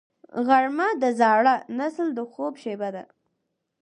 غرمه د زاړه نسل د خوب شیبه ده